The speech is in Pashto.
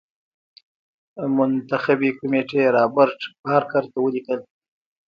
منتخبي کمېټې رابرټ بارکر ته ولیکل.